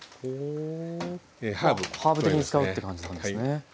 ハーブ的に使うって感じなんですね。